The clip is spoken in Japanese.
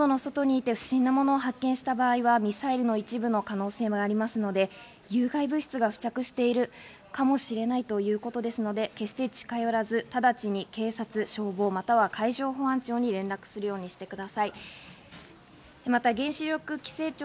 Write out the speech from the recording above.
建物の外に行って不審なものを発見した場合はミサイルの一部の可能性がありますので、有害物質が付着しているかもしれないということですので、決して近寄らず、直ちに警察、消防、または海上保安庁に連絡するようにしてください。